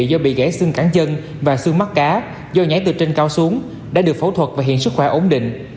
do bị gãy xương cản chân và xương mắt cá do nhảy từ trên cao xuống đã được phẫu thuật và hiện sức khỏe ổn định